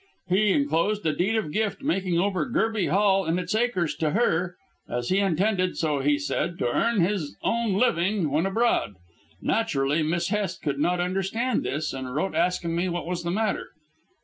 He enclosed a Deed of Gift, making over Gerby Hall and its acres to her, as he intended so he said to earn his own living when abroad. Naturally, Miss Hest could not understand this, and wrote asking me what was the matter."